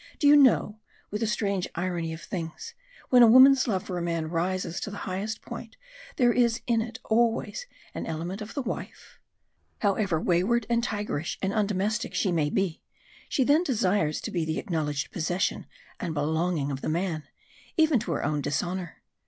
Do you know, with the strange irony of things, when a woman's love for a man rises to the highest point there is in it always an element of the wife? However wayward and tigerish and undomestic she may be, she then desires to be the acknowledged possession and belonging of the man, even to her own dishonour.